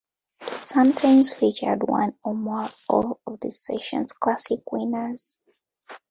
It sometimes featured one or more of the season's Classic winners.